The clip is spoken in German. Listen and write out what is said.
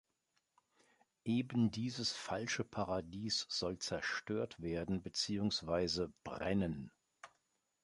Ebendieses falsche Paradies soll zerstört werden beziehungsweise ‚brennen‘.